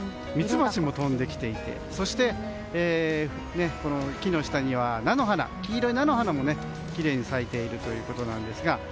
ミツバチも飛んできていて木の下には黄色い菜の花もきれいに咲いているということなんですが。